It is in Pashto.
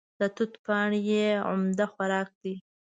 د توت پاڼې یې عمده خوراک دی.